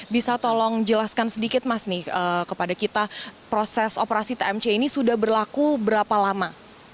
bisa tolong jelaskan sedikit mas nih kepada kita proses operasi tmc ini sudah berlaku berapa lama